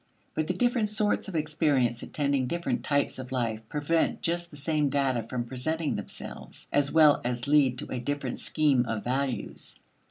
But the different sorts of experience attending different types of life prevent just the same data from presenting themselves, as well as lead to a different scheme of values.